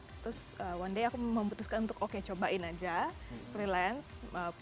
terus one day aku memutuskan untuk oke cobain aja freelance